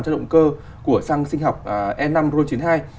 cho động cơ của sang sinh học e năm road chín mươi hai